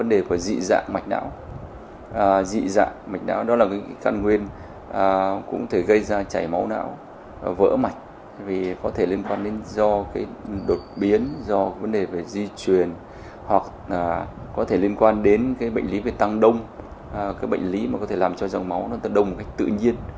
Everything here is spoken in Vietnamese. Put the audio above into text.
do đột biến do vấn đề về di truyền hoặc có thể liên quan đến bệnh lý tăng đông bệnh lý có thể làm cho dòng máu đông một cách tự nhiên